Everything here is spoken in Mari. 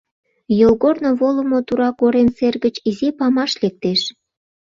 Йолгорно волымо тура корем сер гыч изи памаш лектеш.